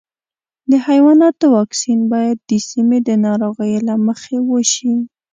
د حیواناتو واکسین باید د سیمې د ناروغیو له مخې وشي.